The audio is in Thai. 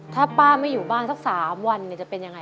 ถ้าป้าไม่อยู่บ้านสัก๓วันจะเป็นยังไง